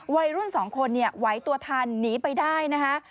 วัยรุ่นสองคนไหวตัวทันหนีไปได้นะคะ